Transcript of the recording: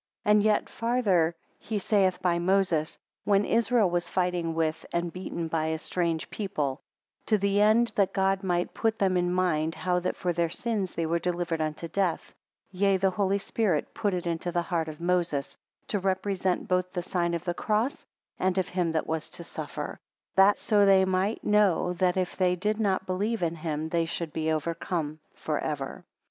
3 And yet farther he saith by Moses; (when Israel was fighting with, and beaten by, a strange people; to the end that God might put them in mind how that for their sins they were delivered unto death) yea, the holy spirit put it into the heart of Moses, to represent both the sign of the cross, and of him that was to suffer: that so they might know that if they did not believe in him, they should be overcome for ever.